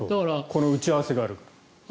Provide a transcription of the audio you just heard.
この打ち合わせがあるから。